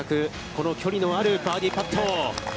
この距離のあるバーディーパット。